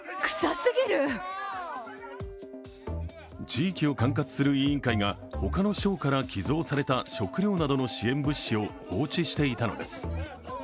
地域を管轄する委員会が他の省から寄贈された食料などの支援物資を放置していたのです。